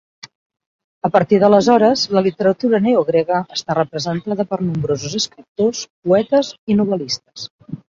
A partir d'aleshores, la literatura neogrega està representada per nombrosos escriptors, poetes i novel·listes.